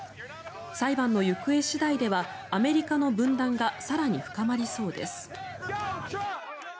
裁判の行方次第ではアメリカの分断が更に深まりそうです。